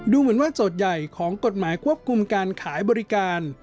ดูเหมือนว่าโจทย์ใหญ่ของกฎหมายควบคุมการขายบริการ